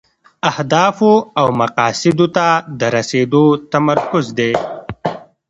اهدافو او مقاصدو ته د رسیدو تمرکز دی.